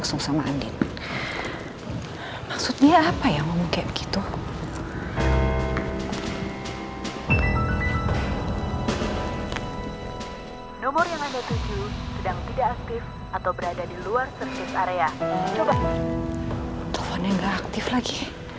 teleponnya nggak aktif lagi